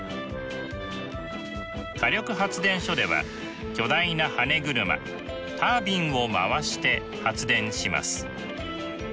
火力発電所では巨大なはね車タービンを回して発電します。